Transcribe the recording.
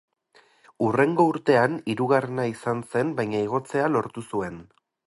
Hurrengo urtean hirugarrena izan zen baina igotzea lortu zuen.